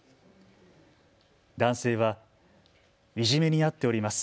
男性はイジメにあっております。